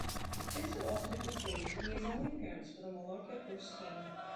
This would ultimately prove to be his only appearance for the Mallorca first team.